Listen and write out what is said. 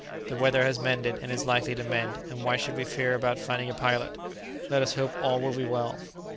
The weather has mended and is likely to mend. And why should we fear about finding a pilot? Let us hope all will be well."